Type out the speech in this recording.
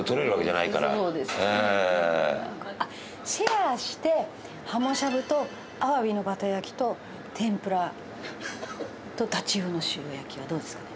あっシェアして鱧しゃぶと鮑のバター焼きと天ぷらと太刀魚の塩焼きはどうですかね？